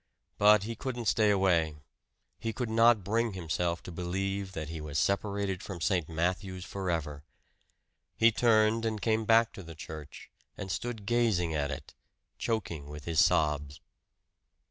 But he couldn't stay away he could not bring himself to believe that he was separated from St. Matthew's forever. He turned and came back to the church, and stood gazing at it, choking with his sobs.